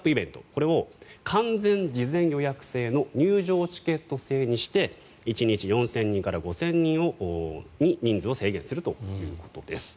これを完全事前予約制の入場チケット制にして１日４０００人から５０００人に人数を制限するということです。